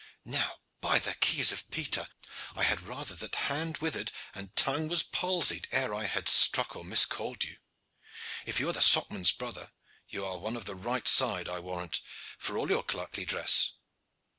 "Now, by the keys of Peter! I had rather that hand withered and tongue was palsied ere I had struck or miscalled you. If you are the Socman's brother you are one of the right side, I warrant, for all your clerkly dress."